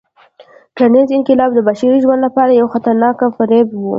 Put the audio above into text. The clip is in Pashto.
کرنيز انقلاب د بشري ژوند لپاره یو خطرناک فریب و.